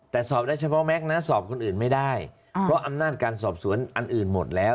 แต่สอบได้เฉพาะแม็กซ์นะสอบคนอื่นไม่ได้เพราะอำนาจการสอบสวนอันอื่นหมดแล้ว